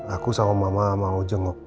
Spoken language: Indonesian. aku sama mama mau jengok